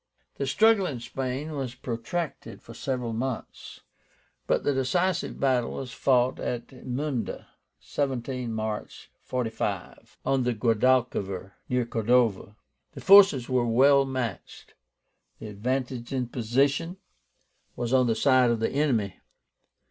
The struggle in Spain was protracted for several months, but the decisive battle was fought at MUNDA, 17 March, 45, on the Guadalquivir, near Cordova. The forces were well matched. The advantage in position was on the side of the enemy.